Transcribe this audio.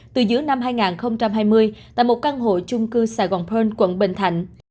từ giữa năm hai nghìn hai mươi tại một căn hộ chung cư sài gòn pearl quận bình thạnh